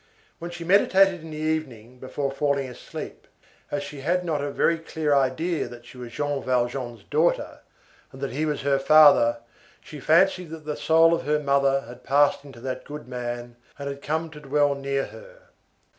When she meditated in the evening, before falling asleep, as she had not a very clear idea that she was Jean Valjean's daughter, and that he was her father, she fancied that the soul of her mother had passed into that good man and had come to dwell near her.